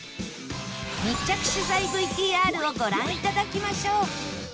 密着取材 ＶＴＲ をご覧頂きましょう